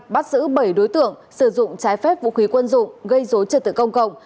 bắt giữ bảy đối tượng sử dụng trái phép vũ khí quân dụng gây dối trật tự công cộng